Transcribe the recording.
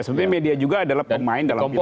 sebenarnya media juga adalah pemain dalam politik